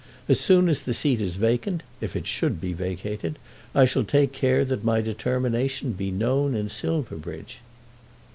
As soon as the seat is vacant, if it should be vacated, I shall take care that my determination be known in Silverbridge."